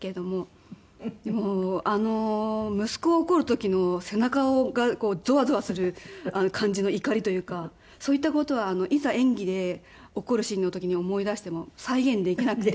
息子を怒る時の背中がゾワゾワする感じの怒りというかそういった事はいざ演技で怒るシーンの時に思い出しても再現できなくて。